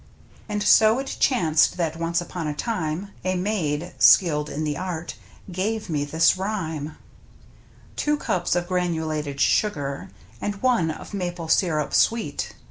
And so it chanced that, once upon a time, A maid, skilled in the art, gave me this rhyme : Two cups of granulated sugar, And one of maple sirup sweet.